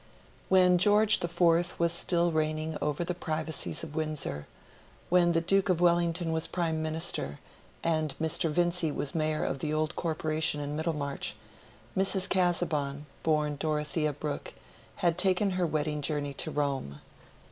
When George the Fourth was still reigning over the privacies of Windsor, when the Duke of Wellington was Prime Minister, and Mr. Vincy was mayor of the old corporation in Middlemarch, Mrs. Casaubon, born Dorothea Brooke, had taken her wedding journey to Rome.